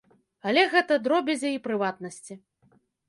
Але гэта дробязі і прыватнасці.